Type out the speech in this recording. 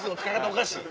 おかしい。